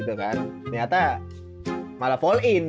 ternyata malah fall in